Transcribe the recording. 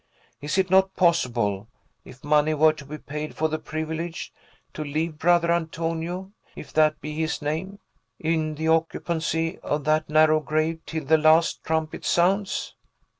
Is it not possible (if money were to be paid for the privilege) to leave Brother Antonio if that be his name in the occupancy of that narrow grave till the last trumpet sounds?"